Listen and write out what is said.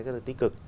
rất là tích cực